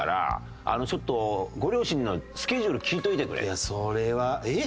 いやそれはえっ？